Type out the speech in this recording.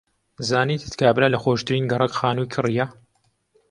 زانیتت کابرا لە خۆشترین گەڕەک خانووی کڕییە.